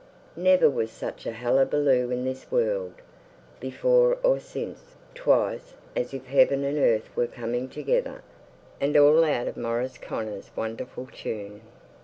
Never was such a hullabaloo in this world, before or since; 'twas as if heaven and earth were coming together; and all out of Maurice Connor's wonderful tune!